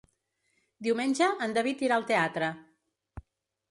Diumenge en David irà al teatre.